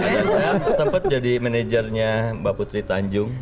dan saya sempat jadi managernya mbak putri tanjung